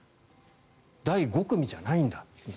第５組じゃないんだ。